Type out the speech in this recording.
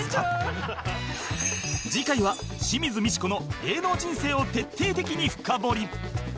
次回は清水ミチコの芸能人生を徹底的に深掘り